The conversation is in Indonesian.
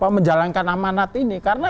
menjalankan amanat ini karena